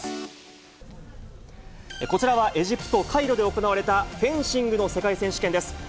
こちらはエジプト・カイロで行われたフェンシングの世界選手権です。